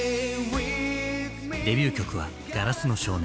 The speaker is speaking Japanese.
デビュー曲は「硝子の少年」。